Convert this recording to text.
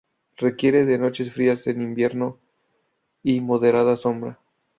Requiere de noches frías en invierno y moderada sombra.